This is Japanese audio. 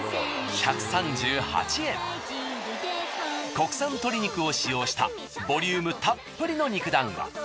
国産鶏肉を使用したボリュームたっぷりの肉だんご。